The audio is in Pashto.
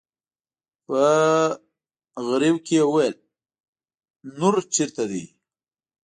په غريو کې يې وويل: نور چېرته دي؟